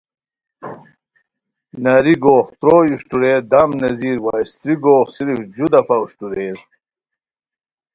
ناری گوغ تروئے اوشٹورئیے دم نیزیر وا استری گوغ صرف جو دفعہ اوشٹورئیر